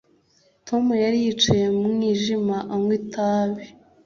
Tom yari yicaye mu mwijima anywa itabi